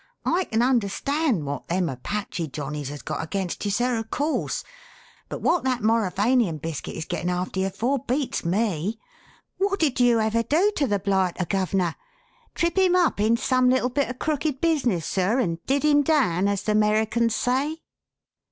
I can understand wot them Apache johnnies has got against you, sir, of course; but wot that Mauravanian biscuit is getting after you for beats me. Wot did you ever do to the blighter, guv'ner? Trip him up in some little bit of crooked business, sir, and 'did him down,' as the 'Mericans say?"